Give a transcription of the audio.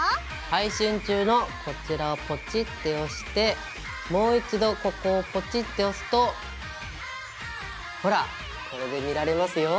配信中のこちらをポチッて押してもう一度ここをポチッて押すとほらこれで見られますよ。